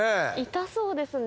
痛そうですね。